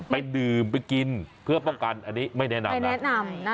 ไปดื่มไปกินเพื่อป้องกันอันนี้ไม่แนะนำไม่แนะนำนะ